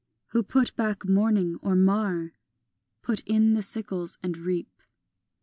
Who put back morning or mar? Put in the sickles and reap.